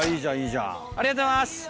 ありがとうございます！